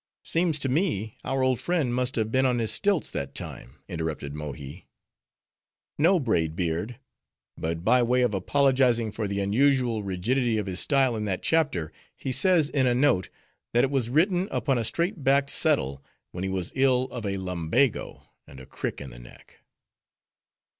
"Seems to me, our old friend must have been on his stilts that time," interrupted Mohi. "No, Braid Beard. But by way of apologizing for the unusual rigidity of his style in that chapter, he says in a note, that it was written upon a straight backed settle, when he was ill of a lumbago, and a crick in the neck."